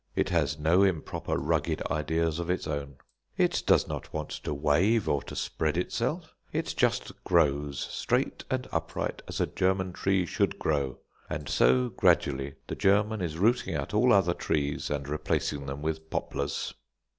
It has no improper rugged ideas of its own. It does not want to wave or to spread itself. It just grows straight and upright as a German tree should grow; and so gradually the German is rooting out all other trees, and replacing them with poplars.